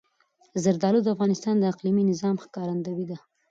زردالو د افغانستان د اقلیمي نظام ښکارندوی ده.